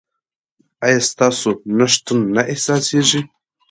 ایا ستاسو نشتون نه احساسیږي؟